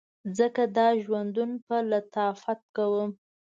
ځکه دا ژوندون په لطافت کوم